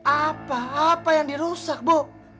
apa apa yang dirusak bu